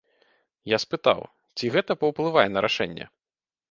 Я спытаў, ці гэта паўплывае на рашэнне?